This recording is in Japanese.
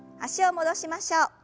脚を戻しましょう。